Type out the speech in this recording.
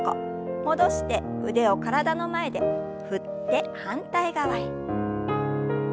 戻して腕を体の前で振って反対側へ。